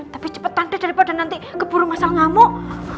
tapi cepetan deh daripada nanti keburu mas al ngamuk